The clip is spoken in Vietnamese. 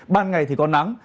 bàn ngày thì có nắng